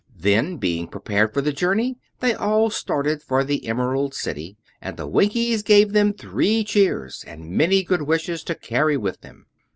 Then, being prepared for the journey, they all started for the Emerald City; and the Winkies gave them three cheers and many good wishes to carry with them.